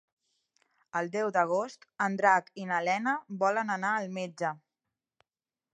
El deu d'agost en Drac i na Lena volen anar al metge.